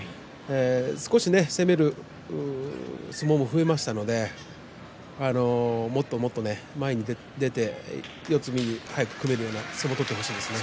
少し攻める相撲も増えましたのでもっともっと前に出て四つ身に早く組めるような相撲を取ってほしいですね。